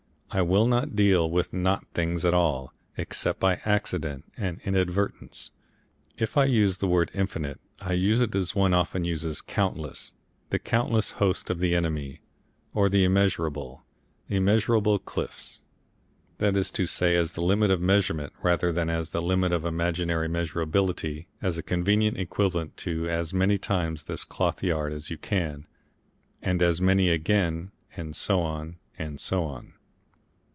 I will not deal with not things at all, except by accident and inadvertence. If I use the word 'infinite' I use it as one often uses 'countless,' "the countless hosts of the enemy" or 'immeasurable' "immeasurable cliffs" that is to say as the limit of measurement rather than as the limit of imaginary measurability, as a convenient equivalent to as many times this cloth yard as you can, and as many again and so on and so on.